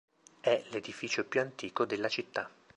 È l'edificio più antico della città.